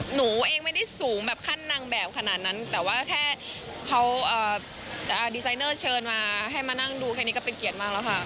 หนูเองไม่ได้สูงแบบขั้นนางแบบขนาดนั้นแต่ว่าแค่เขาดีไซเนอร์เชิญมาให้มานั่งดูแค่นี้ก็เป็นเกียรติมากแล้วค่ะ